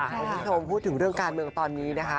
คุณผู้ชมพูดถึงเรื่องการเมืองตอนนี้นะคะ